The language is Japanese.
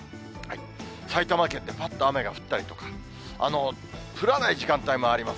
埼玉県でぱらっと雨が降ったりとか、降らない時間帯もあります。